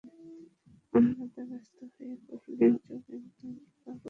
অন্নদা ব্যস্ত হইয়া কহিলেন, যোগেন, তুমি কি পাগল হইয়াছ।